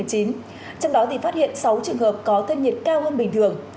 trong đó thì phát hiện sáu trường hợp có thân nhiệt cao hơn bình thường